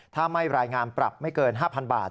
ถ้าไม่รายงานปรับไม่เกิน๕๐๐๐บาท